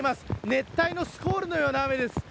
熱帯のスコールのような雨です。